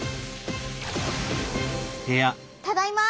ただいま！